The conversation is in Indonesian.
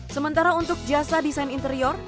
sementara untuk jasa desain interior